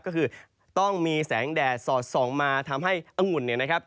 ก็คือต้องมีแสงแดดสอดส่องมาทำให้อังุ่นเนี่ยนะครับ